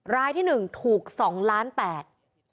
รายที่๑ถูก๒๘๐๐๐๐๐บาท